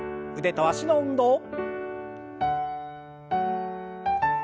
腕と脚の運動。